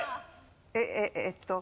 えっと。